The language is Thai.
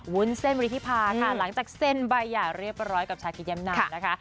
วุ้นเส้นวิริธิภาค่ะหลังจากเซ็นใบหย่าเรียบร้อยกับชาคิตแย้มนำนะคะ